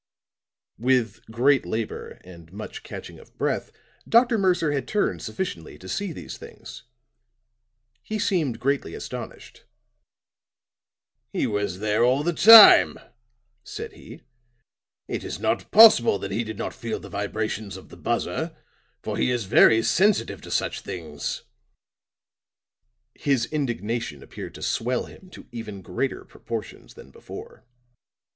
With great labor and much catching of breath Dr. Mercer had turned sufficiently to see these things. He seemed greatly astonished. "He was there all the time," said he. "It is not possible that he did not feel the vibrations of the buzzer, for he is very sensitive to such things." His indignation appeared to swell him to even greater proportions than before.